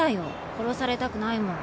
殺されたくないもん。